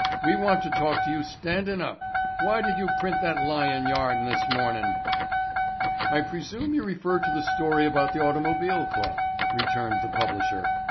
"We want to talk to you standin' up. Why did you print that lyin' yarn this mornin'?" "I presume you refer to the story about the Automobile Club," returned the publisher.